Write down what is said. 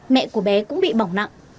mẹ của bé cũng bị bỏng nặng